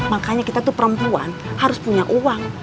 makanya kita tuh perempuan harus punya uang